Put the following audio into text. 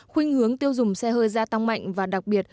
khuyên hướng tiêu dùng xe hơi gia tăng mạnh và đặc biệt